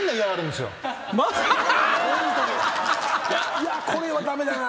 いやこれは駄目だな。